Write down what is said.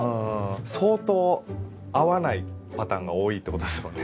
相当合わないパターンが多いってことですもんね。